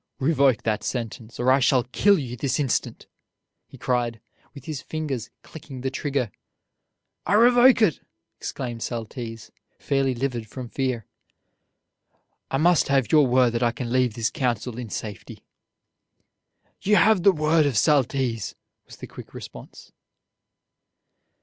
"Revoke that sentence, or I shall kill you this instant!" he cried, with his fingers clicking the trigger. "I revoke it!" exclaimed Saltese, fairly livid from fear. "I must have your word that I can leave this council in safety." "You have the word of Saltese," was the quick response.